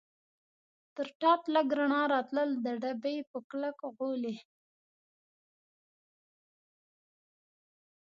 تر ټاټ لږ رڼا راتلل، د ډبې په کلک غولي.